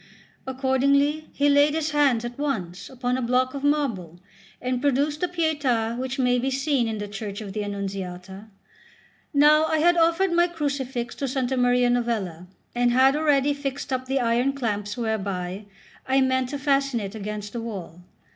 Accordingly he laid his hands at once upon a block of marble, and produced the Pietà which may be seen in the church of the Annunziata. Now I had offered my crucifix to S. Maria Novella, and had already fixed up the iron clamps whereby I meant to fasten it against the wall.